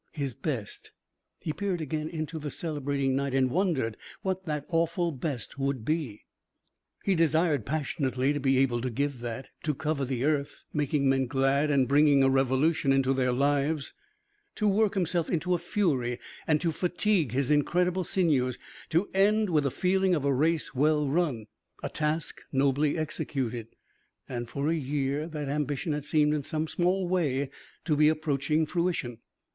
His best! He peered again into the celebrating night and wondered what that awful best would be. He desired passionately to be able to give that to cover the earth, making men glad and bringing a revolution into their lives, to work himself into a fury and to fatigue his incredible sinews, to end with the feeling of a race well run, a task nobly executed. And, for a year, that ambition had seemed in some small way to be approaching fruition.